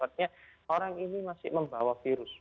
artinya orang ini masih membawa virus